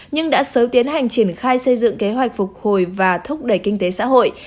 nhưng đã sớm tiến hành triển khai xây dựng kế hoạch phục hồi và thúc đẩy kinh tế xã hội